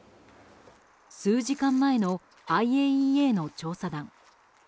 数時間前のＩＡＥＡの調査団。